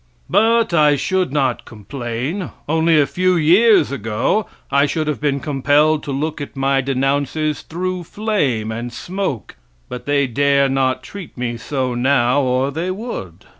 "But I should not complain. Only a few years ago I should have been compelled to look at my denouncers through flame and smoke; but they dare not treat me so now or they would.